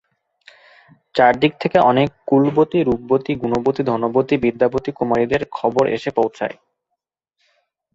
চার দিক থেকে অনেক কুলবতী রূপবতী গুণবতী ধনবতী বিদ্যাবতী কুমারীদের খবর এসে পৌঁছোয়।